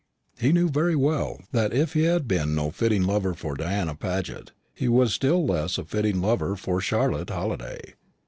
He knew very well that if he had been no fitting lover for Diana Paget, he was still less a fitting lover for Charlotte Halliday.